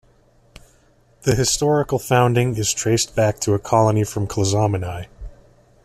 The historical founding is traced back to a colony from Klazomenai.